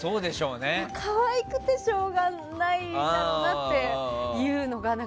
可愛くてしょうがないだろうなっていうのが。